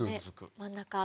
真ん中の。